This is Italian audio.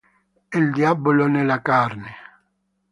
Il diavolo nella carne